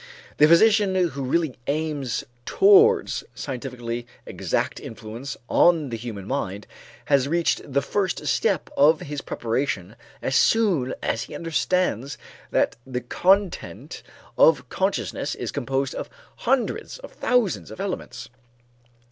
The physician who really aims towards scientifically exact influence on the human mind has reached the first step of his preparation as soon as he understands that the content of consciousness is composed of hundreds of thousands of elements.